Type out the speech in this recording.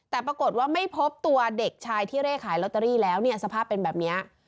แต่ปรากฏว่าไม่พบตัวเด็กชายที่เร่ขายลอตเตอรี่แล้วเนี่ยสภาพเป็นแบบนี้